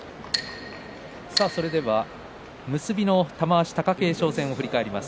それでは結びの玉鷲貴景勝戦を振り返ります。